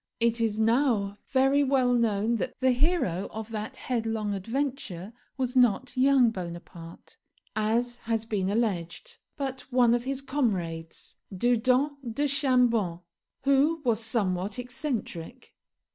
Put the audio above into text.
It is now very well known that the hero of that headlong adventure was not young Bonaparte, as has been alleged, but one of his comrades, Dudont de Chambon, who was somewhat eccentric.